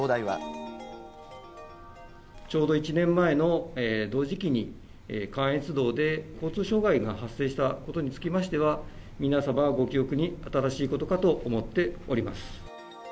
ちょうど１年前の同時期に、関越道で交通障害が発生したことにつきましては、皆様、ご記憶に新しいことかと思っております。